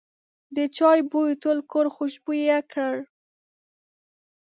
د چای بوی ټول کور خوشبویه کړ.